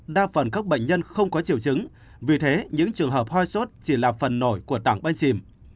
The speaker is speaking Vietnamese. đa phần các bệnh nhân không có triều chứng vì thế những trường hợp hoa sốt chỉ là phần nổi của tảng banh xìm